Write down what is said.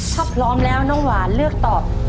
ถ้าพร้อมแล้วน้องหวานเลือกตอบ